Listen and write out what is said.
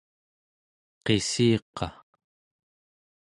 qissiqa